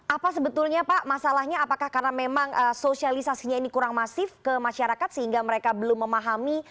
apa sebetulnya pak masalahnya apakah karena memang sosialisasinya ini kurang masif ke masyarakat sehingga mereka belum memahami